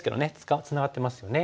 ツナがってますよね。